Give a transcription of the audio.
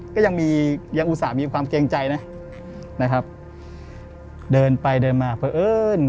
ก็ยังมียังอุตส่าห์มีความเกรงใจนะนะครับเดินไปเดินมาเพราะเอิญ